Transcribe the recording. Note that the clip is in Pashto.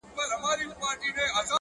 • د شپې نيمي كي ـ